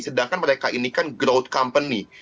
sedangkan mereka ini kan growth company